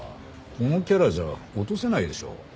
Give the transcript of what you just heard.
このキャラじゃ落とせないでしょ。